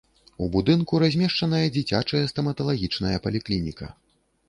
У будынку размешчаная дзіцячая стаматалагічная паліклініка.